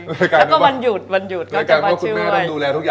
เพราะแกจะไม่ว่าคุณแม่ดูแลทุกอย่างเองมาตลอดเลย